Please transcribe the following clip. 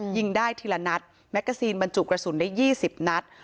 ยิงได้ทีละนัดแมกกาซีนบรรจุกระสุนได้๒๐นัด